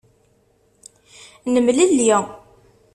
Nemlelli.